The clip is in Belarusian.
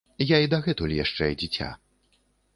Я і дагэтуль яшчэ дзіця.